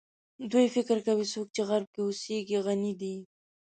دوی فکر کوي څوک چې غرب کې اوسي غني دي.